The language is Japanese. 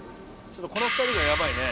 ちょっとこの２人がヤバいね。